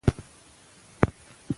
په جګړه کې د هېواد زیربناوې ویجاړېږي.